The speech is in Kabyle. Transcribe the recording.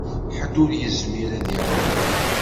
Ḥedd ur yezmir ad iɛum.